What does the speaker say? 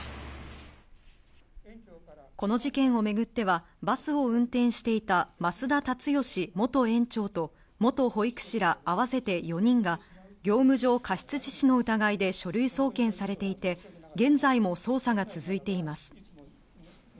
この事件を巡っては、バスを運転していた増田立義元園長と元保育士ら合わせて４人が業務上過失致死の疑いで書類送検されていて、現在も捜査が続いています。